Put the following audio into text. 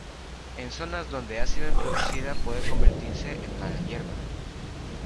En zonas donde ha sido introducida puede convertirse en mala hierba.